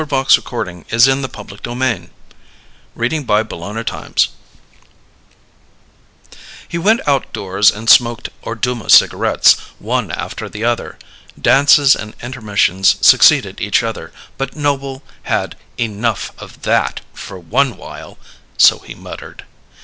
"By George, I'm goin' to do something!" CHAPTER TWELVE He went outdoors and smoked Orduma cigarettes, one after the other. Dances and intermissions succeeded each other but Noble had "enough of that, for one while!" So he muttered.